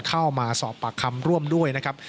เข้ามาสอบปากคำร่วมด้วยนะครับ